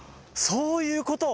そういうこと？